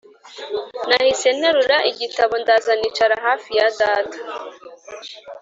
nahise nterura igitabo ndaza nicara hafi ya data